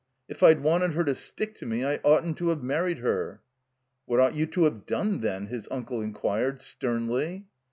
If I'd wanted her to stick to me I oughtn't to have married her." "What ought you to have done then?" his uncle inquired, sternly.